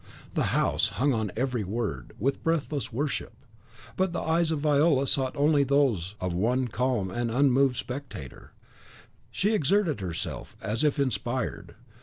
The house hung on every word with breathless worship; but the eyes of Viola sought only those of one calm and unmoved spectator; she exerted herself as if inspired.